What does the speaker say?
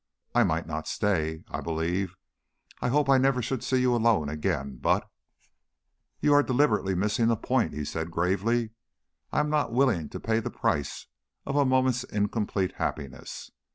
I might not stay. I believe, I hope I never should see you alone again; but " "You are deliberately missing the point," he said gravely. "I am not willing to pay the price of a moment's incomplete happiness.